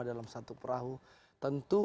dalam satu perahu tentu